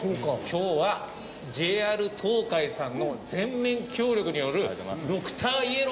今日はＪＲ東海さんの全面協力によるドクターイエローの企画でございます！